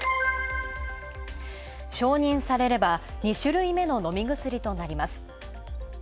承認されれば２種類目の飲み薬となります。